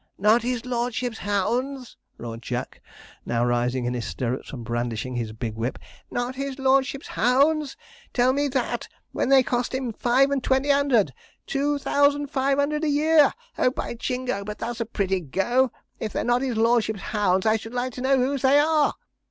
'Not his lordship's hounds!' roared Jack, now rising in his stirrups and brandishing his big whip. 'Not his lordship's hounds! Tell me that, when they cost him five and twenty 'underd two thousand five 'underd a year! Oh, by Jingo, but that's a pretty go! If they're not his lordship's hounds, I should like to know whose they are?'